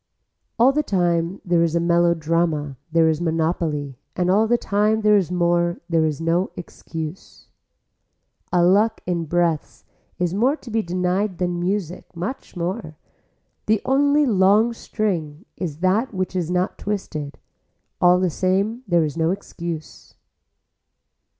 All the time there is a melodrama there is monopoly and all the time there is more there is no excuse. A luck in breaths is more to be denied than music, much more. The only long string is that which is not twisted. All the same there is no excuse.